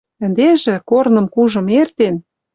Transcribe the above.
Ӹндежӹ, корным кужым эртен